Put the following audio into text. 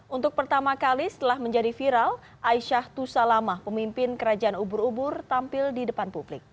untuk pertama kali setelah menjadi viral aisyah tusa lama pemimpin kerajaan ubur ubur tampil di depan publik